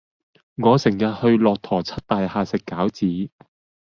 我成日去駱駝漆大廈食餃子